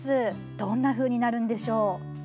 どんなふうになるのでしょう。